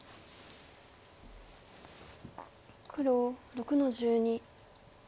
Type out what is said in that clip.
黒６の十二。